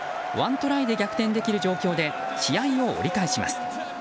トライで逆転できる状況で試合を折り返します。